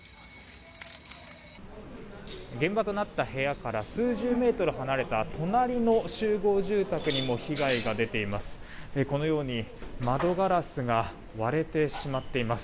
現場となった部屋から数十メートル離れた隣の集合住宅にも被害が出ています。